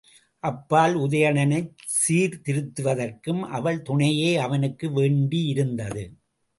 அப்பால், உதயணனைச் சீர்திருத்துவதற்கும் அவள் துணையே அவனுக்கு வேண்டியிருந்தது.